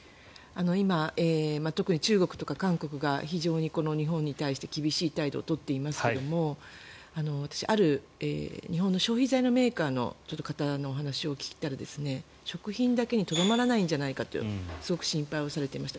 今、特に中国とか韓国が非常に日本に対して厳しい態度を取っていますが私、ある日本の消費財のメーカーの方の話を聞いたら食品だけにとどまらないんじゃないかとすごく心配されていました。